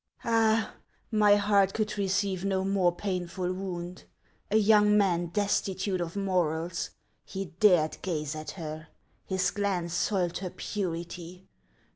All ! my heart could receive no more painful wound !... A young man destitute of morals. ... He dared gaze at her ! His glance soiled her purity.